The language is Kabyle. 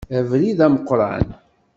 Abrid ameqqran.